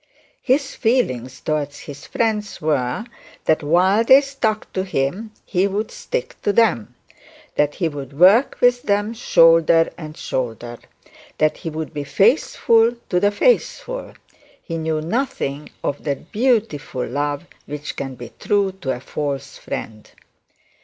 His feelings towards his friends were, that while they stuck to him he would stick to them; that he would work with them shoulder to shoulder; that he would be faithful to the faithful. He knew nothing of that beautiful love which can be true to a false friend.